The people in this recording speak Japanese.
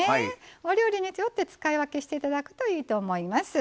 お料理によって使い分けをしていただくといいと思います。